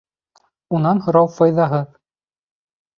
Унан һорау файҙаһыҙ.